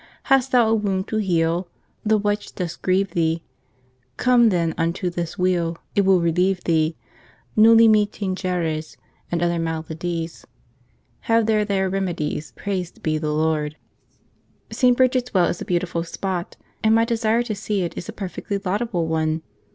'Hast thou a wound to heale, The wyche doth greve thee; Come thenn unto this welle; It will relieve thee; Nolie me tangeries, And other maladies, Have there theyr remedies, Prays'd be the Lord.' St. Bridget's Well is a beautiful spot, and my desire to see it is a perfectly laudable one.